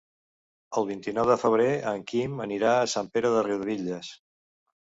El vint-i-nou de febrer en Quim anirà a Sant Pere de Riudebitlles.